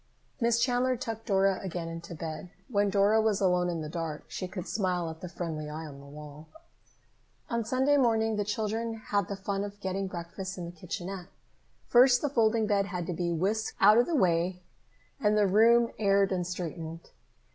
Miss Chandler tucked Dora again into bed. When Dora was alone in the dark, she could smile at the friendly eye on the wall. On Sunday morning the children had the fun of getting breakfast in the kitchenette. First, the folding bed had to be whisked out of the way, and the room aired and straightened.